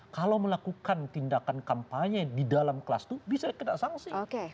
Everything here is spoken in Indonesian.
kalau melakukan tindakan kampanye di dalam kelas itu bisa kena sanksi